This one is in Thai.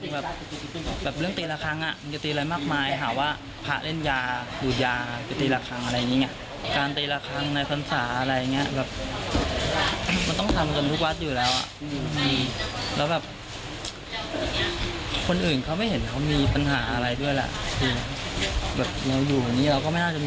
ก็ไม่น่าจะมีปัญหานะปีตีมาตั้งแต่รื่นไหนรื่นไหน